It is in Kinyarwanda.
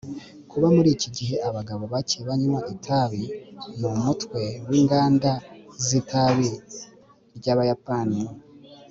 kuba muri iki gihe abagabo bake banywa itabi ni umutwe w'inganda z'itabi ry'abayapani